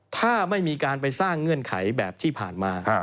ถ้าไม่มีการไปสร้างเงื่อนไขแบบที่ผ่านมา